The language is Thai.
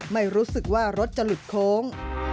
ไม่รู้สึกว่ารถจะหลุดโค้ง